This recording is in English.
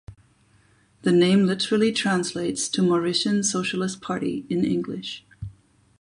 The name literally translates to "Mauritian Socialist Party" in English.